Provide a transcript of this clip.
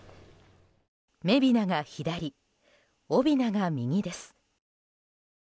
女びなが左、男びなが右です。